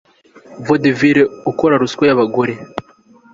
Vaudevilles ukora ruswa yabagore